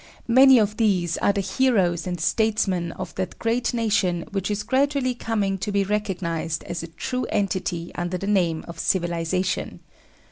Many of these are the heroes and statesmen of that great nation which is gradually coming to be recognised as a true entity under the name of Civilisation.